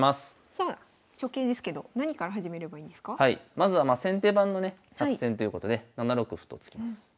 まずは先手番のね作戦ということで７六歩と突きます。